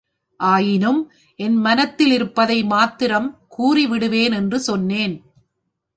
ஆயினும் என் மனத்திலிருப்பதை மாத்திரம் கூறி விடுவேன் என்று சொன்னேன்.